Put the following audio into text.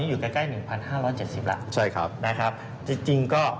ถูกต้อง